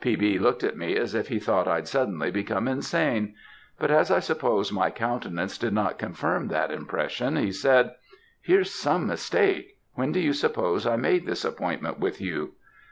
"P. B. looked at me as if he thought I'd suddenly become insane; but as I suppose my countenance did not confirm that impression, he said, 'Here's some mistake; when do you suppose I made this appointment with you?'